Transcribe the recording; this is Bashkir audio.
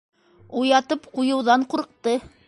Уятып ҡуйыуҙан ҡурҡты.